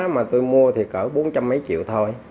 mà tôi mua thì cỡ bốn trăm linh mấy triệu thôi